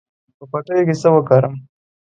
په پټیو کې څه وکړم.